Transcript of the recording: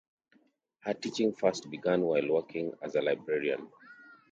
Her teaching first began while working as a librarian.